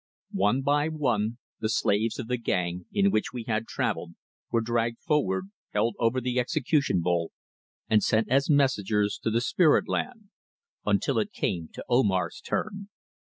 ONE by one the slaves of the gang in which we had travelled were dragged forward, held over the execution bowl and sent as messengers to spirit land, until it came to Omar's turn.